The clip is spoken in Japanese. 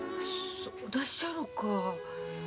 そうだっしゃろか。